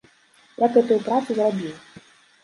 Я гэтую працу зрабіў.